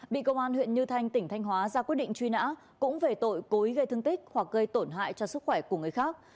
bị công an huyện như thanh tỉnh thanh hóa ra quyết định truy nã cũng về tội cối gây thương tích hoặc gây tổn hại cho sức khỏe của người khác